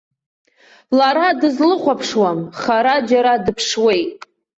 Лара дызлыхәаԥшуам, хара џьара дыԥшуеит.